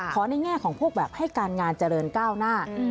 ในแง่ของพวกแบบให้การงานเจริญก้าวหน้า